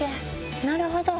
なるほど。